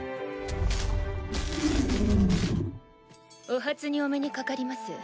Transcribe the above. お初にお目にかかります。